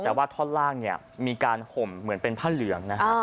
แต่ว่าท่อนล่างเนี่ยมีการห่มเหมือนเป็นผ้าเหลืองนะฮะ